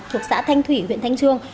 thuộc xã thanh thủy huyện thanh trương